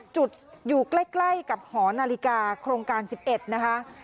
จุดอยู่ใกล้กับหอนาฬิกาโครงการ๑๑นะคะ